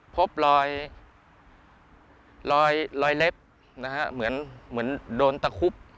พบรอยเล็บนะฮะเหมือนโดนตะคุบ